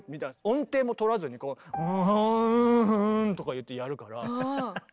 音程も取らずにウゥフフンとか言ってやるから。